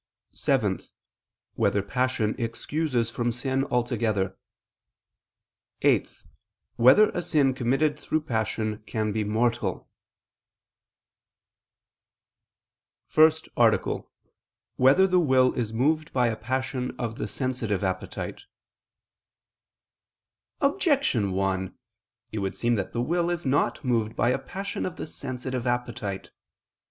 (7) Whether passion excuses from sin altogether? (8) Whether a sin committed through passion can be mortal? ________________________ FIRST ARTICLE [I II, Q. 77, Art. 1] Whether the Will Is Moved by a Passion of the Sensitive Appetite? Objection 1: It would seem that the will is not moved by a passion of the sensitive appetite.